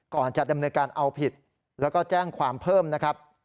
ก่อนจะดำเนินการเอาผิดแล้วก็แจ้งความเพิ่มนะครับ